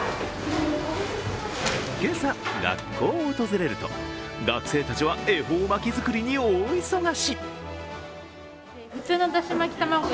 今朝、学校を訪れると学生たちは恵方巻き作りに大忙し。